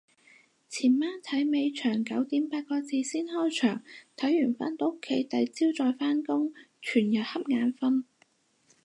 前晚睇尾場九點八個字先開場，睇完返到屋企第朝再返工，全日恰眼瞓